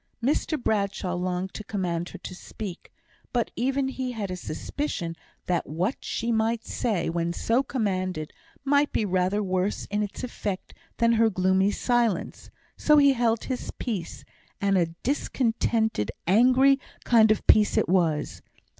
Mr Bradshaw longed to command her to speak; but even he had a suspicion that what she might say, when so commanded, might be rather worse in its effect than her gloomy silence; so he held his peace, and a discontented, angry kind of peace it was.